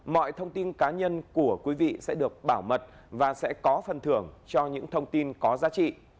mọi thông tin cá nhân của quý vị sẽ được bảo mật và sẽ có phần thưởng cho những thông tin có giá trị